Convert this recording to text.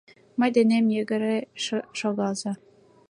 Мый денем йыгыре шогалза.